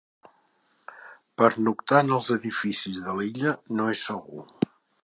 Pernoctar en els edificis de l'illa no és segur.